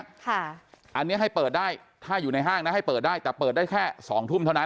อันนี้ให้เปิดได้ถ้าอยู่ในห้างนะให้เปิดได้แต่เปิดได้แค่สองทุ่มเท่านั้น